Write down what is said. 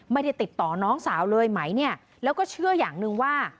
ไม่ได้ติดต่อน้องสาวเลยไหมเนี่ยแล้วก็เชื่ออย่างหนึ่งว่า